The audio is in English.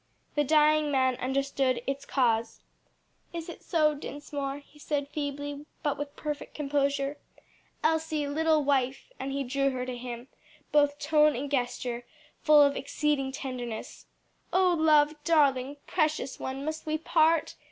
The dying man understood its cause. "Is it so, Dinsmore?" he said feebly, but with perfect composure. "Elsie, little wife," and he drew her to him, both tone and gesture full of exceeding tenderness. "O love, darling, precious one, must we part?